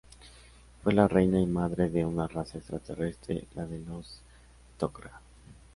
Fue la reina y madre de una raza extraterrestre, la de los Tok'ra.